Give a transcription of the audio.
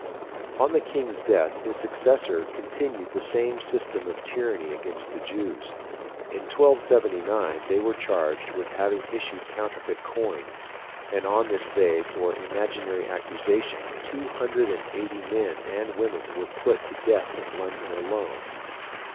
On the King's death his successor continued the same system of tyranny against the Jews. In 1279 they were charged with having issued counterfeit coin, and on this vague or imaginary accusation two hundred and eighty men and women were put to death in London alone.